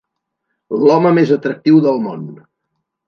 L'home més atractiu del món.